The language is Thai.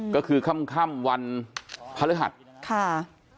ก็คือค่ำวันพรภัทธิ์ครับค่ะ